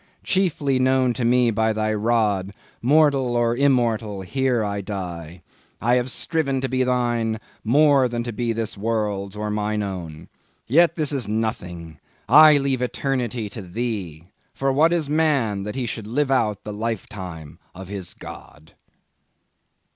—chiefly known to me by Thy rod—mortal or immortal, here I die. I have striven to be Thine, more than to be this world's, or mine own. Yet this is nothing: I leave eternity to Thee; for what is man that he should live out the lifetime of his God?"